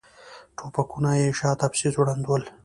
ټوپکونه یې شاته پسې ځوړند ول.